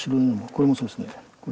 これもそうです。